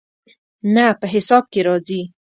نه، په حساب کې راځي